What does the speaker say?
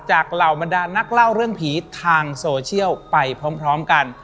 เหล่าบรรดานักเล่าเรื่องผีทางโซเชียลไปพร้อมกัน